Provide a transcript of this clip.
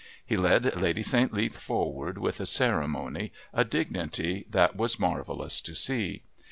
He led Lady St. Leath forward with a ceremony, a dignity, that was marvellous to see.